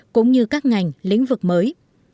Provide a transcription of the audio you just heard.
cũng như các ngành lĩnh vực mới